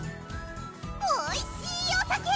おいしいお酒！